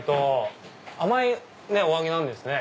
甘いお揚げなんですね。